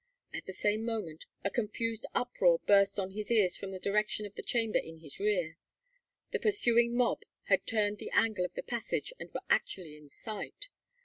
At the same moment a confused uproar burst on his ears from the direction of the chamber in his rear. The pursuing mob had turned the angle of the passage and were actually in sight.